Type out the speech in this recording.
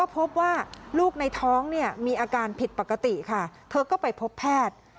พบว่าลูกในท้องเนี่ยมีอาการผิดปกติค่ะเธอก็ไปพบแพทย์